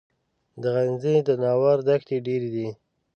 د غزني د ناور دښتې ډیرې دي